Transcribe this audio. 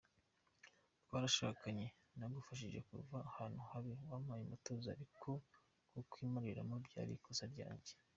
"Twarashakanye, nagufashije kuva ahantu habi, wampaye umutuzo ariko kukwimariramo byari ikosa ryanjye.